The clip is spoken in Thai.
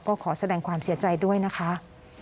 ก็ขอแสดงความเสียใจด้วยนะคะ